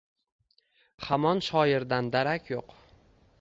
…Hamon shoirdan darak yo‘q.